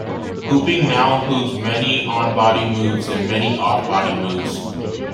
Hooping now includes many 'on body' moves and many 'off body' moves.